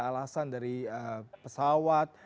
alasan dari pesawat